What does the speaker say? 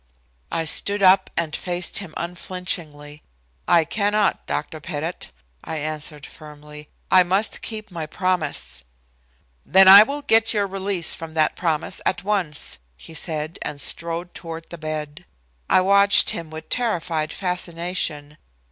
I stood up and faced him unflinchingly. "I cannot, Dr. Pettit," I answered firmly. "I must keep my promise." "Then I will get your release from that promise at once," he said and strode toward the bed. I watched him with terrified fascination.